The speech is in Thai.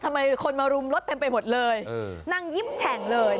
ทำไมคนมารุมรถเต็มไปหมดเลยนั่งยิ้มแฉ่งเลย